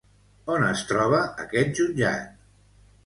On es troba aquest jutjat?